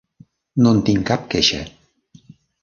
No en tinc cap queixa.